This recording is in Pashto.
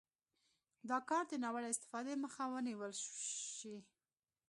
دا کار د ناوړه استفادې مخه ونیول شي.